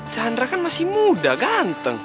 chandra kan masih muda ganteng